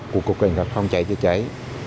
của cục cảnh khắc phòng trái chữa cháy